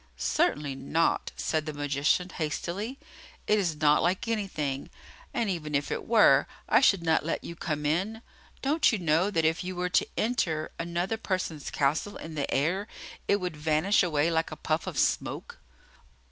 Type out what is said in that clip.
"Certainly not," said the magician, hastily. "It is not like anything; and even if it were, I should not let you come in. Don't you know that, if you were to enter another person's castle in the air, it would vanish away like a puff of smoke?"